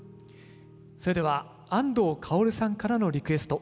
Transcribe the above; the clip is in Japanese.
それでは安藤馨さんからのリクエスト